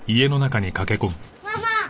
ママ！